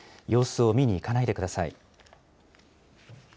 様子を見に行かないでください。